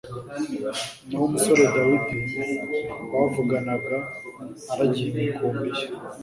naho umusore Dawidi bavuganaga aragiye imukurubi ye.